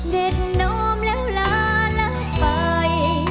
เด็ดน้อมแล้วล้าละไป